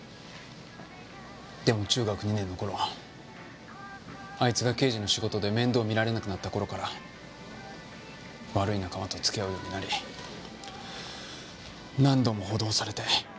でも中学２年の頃あいつが刑事の仕事で面倒を見られなくなった頃から悪い仲間と付き合うようになり何度も補導されて。